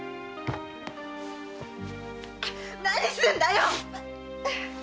何すんだよ！